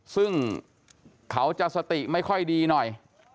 ซึ่งเขาจะสติไม่ค่อยดีหน่อย